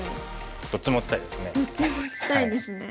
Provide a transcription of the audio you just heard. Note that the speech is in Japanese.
どっちも打ちたいですね。